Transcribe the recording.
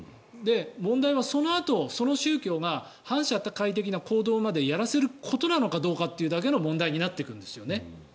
問題はそのあと、その宗教が反社会的な行動までやらせることなのかどうかということだけの問題になってくるんですよね。